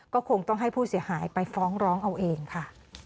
ก็คงต้องให้ผู้เสียหายไปฟ้องร้องเอาเองค่ะ